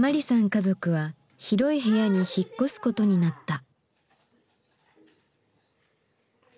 家族は広い部屋に引っ越すことになった。